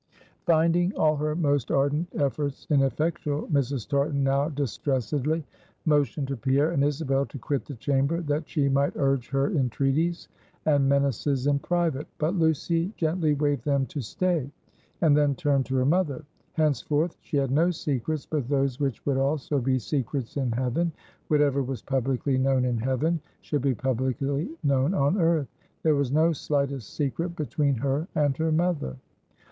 Finding all her most ardent efforts ineffectual, Mrs. Tartan now distressedly motioned to Pierre and Isabel to quit the chamber, that she might urge her entreaties and menaces in private. But Lucy gently waved them to stay; and then turned to her mother. Henceforth she had no secrets but those which would also be secrets in heaven. Whatever was publicly known in heaven, should be publicly known on earth. There was no slightest secret between her and her mother.